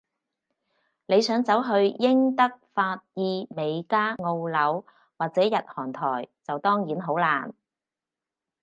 你想走去英德法意美加澳紐，或者日韓台，就當然好難